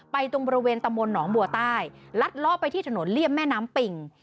ตรงบริเวณตำบลหนองบัวใต้ลัดลอบไปที่ถนนเลี่ยมแม่น้ำปิ่ง